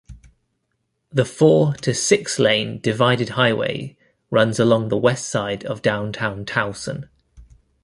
The four- to six-lane divided highway runs along the west side of downtown Towson.